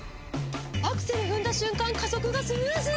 アクセル踏んだ瞬間加速がスムーズ！